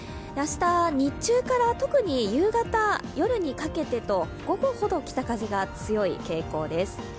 明日、日中から特に夕方、夜にかけてと午後ほど北風が強い傾向です。